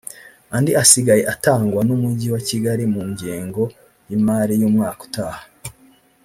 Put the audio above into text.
andi asigaye atangwe n’Umujyi wa Kigali mu ngengo y’imari y’umwaka utaha